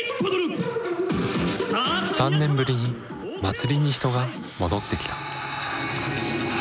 ３年ぶりに祭りに人が戻ってきた。